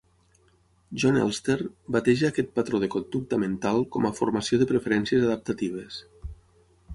Jon Elster bateja aquest patró de conducta mental com a "formació de preferències adaptatives".